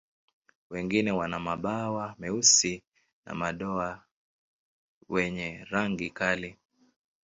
Wengine wana mabawa meusi na madoa wenye rangi kali.